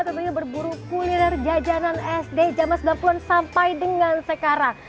tentunya berburu kuliner jajanan sd jaman sembilan puluh an sampai dengan sekarang